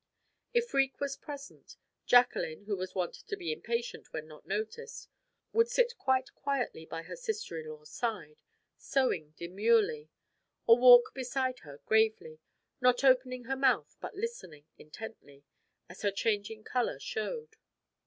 If Freke was present, Jacqueline, who was wont to be impatient when not noticed, would sit quite quietly by her sister in law's side, sewing demurely, or walk beside her gravely, not opening her mouth but listening intently, as her changing color showed.